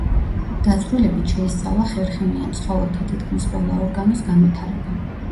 დაწვრილებით შეისწავლა ხერხემლიან ცხოველთა თითქმის ყველა ორგანოს განვითარება.